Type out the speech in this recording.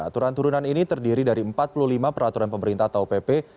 aturan turunan ini terdiri dari empat puluh lima peraturan pemerintah atau pp